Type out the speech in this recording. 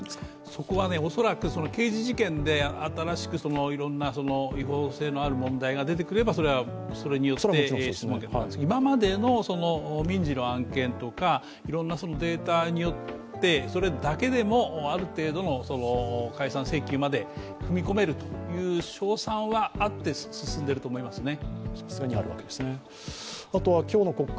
そこは恐らく、刑事事件で新しくいろんな違法性のある問題が出てくればそれによって質問権が使えるんですけれども、今までの民事の案件とか、いろんなデータによって、それだけでもある程度の解散請求まで踏み込めるという勝算はあって進んでいると思いますね。